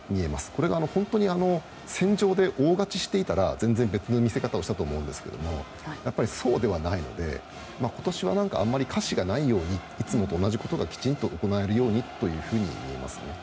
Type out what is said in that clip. これが本当に戦場で大勝ちしていたら全然別の見せ方をしたと思うんですがそうではないので今年はあまり瑕疵がないようにいつもと同じことがきちんと行えるようにと見えますね。